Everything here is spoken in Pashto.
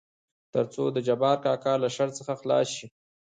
تر څو دجبار کاکا له شر څخه خلاص شي.